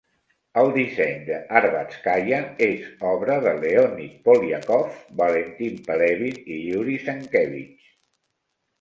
El disseny de Arbatskaya és obra de Leonid Polyakov, Valentin Pelevin i Yury Zenkevich.